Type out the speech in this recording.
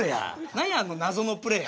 何やあのなぞのプレー。